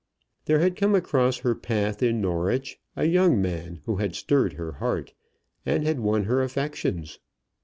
There had come across her path in Norwich a young man who had stirred her heart, and had won her affections.